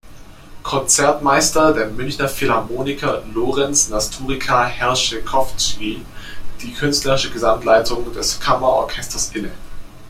Konzertmeister der Münchner Philharmoniker Lorenz Nasturica-Herschcowici die künstlerische Gesamtleitung des Kammerorchesters inne.